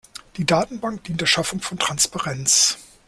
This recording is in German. Die Datenbank dient der Schaffung von Transparenz.